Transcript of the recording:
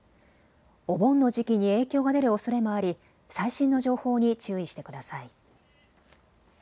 お盆の時期に影響が出るおそれもあり最新の情報に注意してください。